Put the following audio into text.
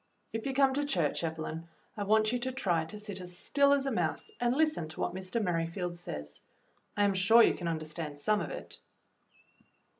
"If you come to church, Evelyn, I want you to try to sit as still as a mouse and listen to what Mr. Merrifield says. I am sure you can understand some of it."